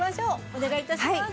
お願い致します。